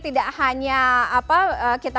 tidak hanya apa kita